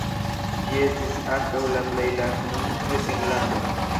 Ĝi estis ankaŭ la plej laga komunumo de Finnlando.